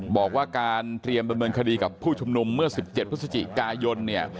บอกว่าการเตรียมดำเนินคดีกับผู้ชุมนุมเมื่อ๑๗พฤศจิกายนเนี่ย